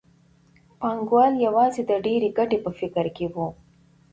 پانګوال یوازې د ډېرې ګټې په فکر کې وو